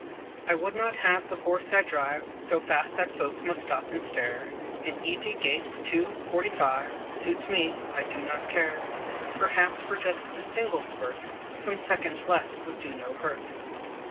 I would not have the horse I drive So fast that folks must stop and stare; An easy gait two, forty five Suits me; I do not care; Perhaps, for just a single spurt, Some seconds less would do no hurt.